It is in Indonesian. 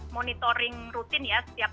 monitoring rutin ya setiap